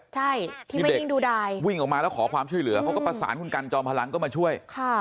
ใช่ที่ไม่ยิ่งดูดาย